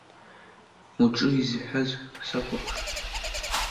Уҿы изҳәаз сакәыхшоуп!